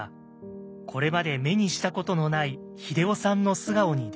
これまで目にしたことのない英夫さんの素顔に出会います。